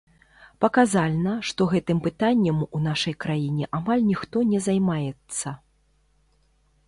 Паказальна, што гэтым пытаннем у нашай краіне амаль ніхто не займаецца.